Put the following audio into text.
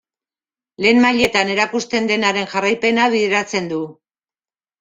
Lehen mailetan erakusten denaren jarraipena bideratzen du.